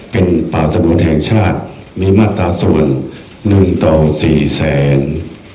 เป็นป่าสงวนแห่งชาติมีมาตราส่วน๑ต่อ๔๐๐๐๐๐บาท